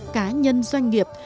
cá nhân doanh nghiệp